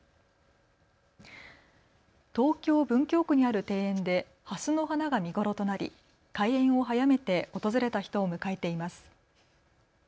東京文京区にある庭園でハスの花が見頃となり開園を早めて訪れた人を迎えています。